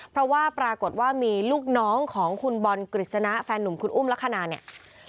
เพราะว่าปรากฏว่ามีลูกน้องของคุณบอลกฤษณะแฟนหนุ่มคุณอุ้มลักษณะเนี่ย